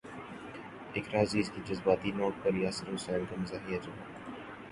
اقرا عزیز کے جذباتی نوٹ پر یاسر حسین کا مزاحیہ جواب